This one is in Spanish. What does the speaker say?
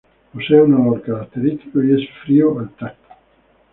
Posee un olor característico y es frío al tacto.